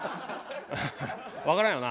わからんよな？